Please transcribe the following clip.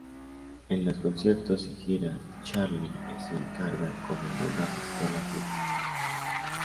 En los conciertos y giras Charlie Scene carga con el una pistola Glock.